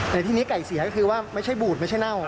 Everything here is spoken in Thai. แต่ทีนี้ไก่เสียก็คือว่าไม่ใช่บูดไม่ใช่เน่า